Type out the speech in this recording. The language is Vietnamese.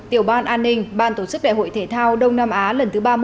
tiểu ban an ninh ban tổ chức đại hội thể thao đông nam á lần thứ ba mươi